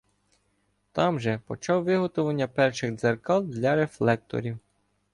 Там же почав виготовлення перших дзеркал для рефлекторів.